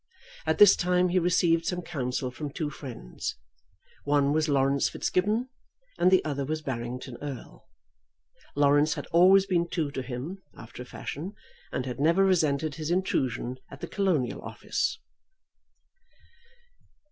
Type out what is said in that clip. At this time he received some counsel from two friends. One was Laurence Fitzgibbon, and the other was Barrington Erle. Laurence had always been true to him after a fashion, and had never resented his intrusion at the Colonial Office.